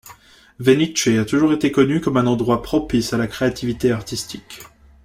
Venice a toujours été connu comme un endroit propice à la créativité artistique.